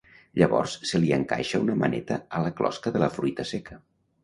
Llavors se li encaixa una maneta a la closca de la fruita seca.